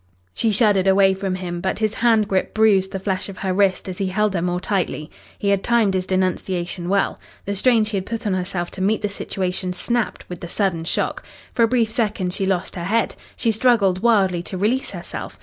She shuddered away from him, but his hand grip bruised the flesh of her wrist as he held her more tightly. He had timed his denunciation well. The strain she had put on herself to meet the situation snapped with the sudden shock. For a brief second she lost her head. She struggled wildly to release herself.